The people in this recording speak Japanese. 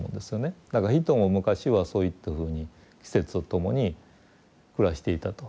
だから人も昔はそういったふうに季節とともに暮らしていたと。